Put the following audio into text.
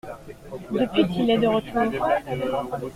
Depuis qu’il est de retour.